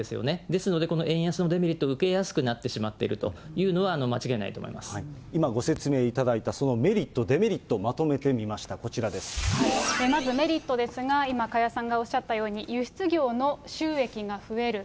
ですからこの円安のデメリットを受けやすくなってしまっていると今、ご説明いただいたそのメリット、デメリットをまとめてみました、まずメリットですが、今、加谷さんがおっしゃったように、輸出業の収益が増える。